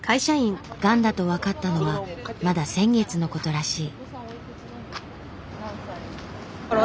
がんだと分かったのはまだ先月のことらしい。